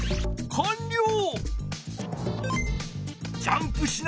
かんりょう！